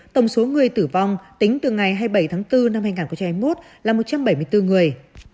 tổng số người tử vong tính từ ngày hai mươi bảy tháng bốn năm hai nghìn hai mươi một là một trăm bảy mươi bốn người